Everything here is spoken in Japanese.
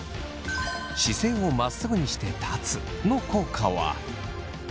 姿勢をまっすぐにして立つの効果は？